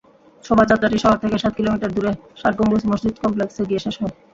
শোভাযাত্রাটি শহর থেকে সাত কিলোমিটার দূরে ষাটগম্বুজ মসজিদ কমপ্লেক্সে গিয়ে শেষ হয়।